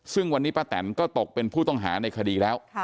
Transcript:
ซึ่งวันนี้ป้าแตนก็ตกเป็นผู้ต้องหาในคดีแล้ว